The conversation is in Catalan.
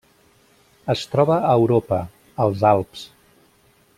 Es troba a Europa: els Alps.